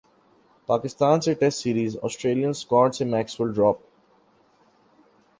پاکستان سے test series Australian squad سے Maxwell drop